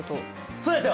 そうです！